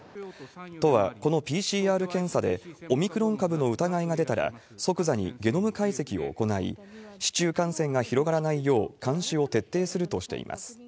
都はこのＰＣＲ検査でオミクロン株の疑いが出たら、即座にゲノム解析を行い、市中感染が広がらないよう、監視を徹底するとしています。